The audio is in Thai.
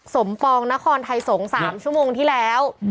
ปองนครไทยสงศ์๓ชั่วโมงที่แล้ว